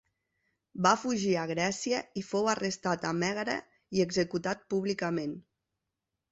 Va fugir a Grècia i fou arrestat a Mègara i executat públicament.